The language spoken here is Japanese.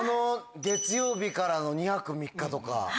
月曜日からの２泊３日とか。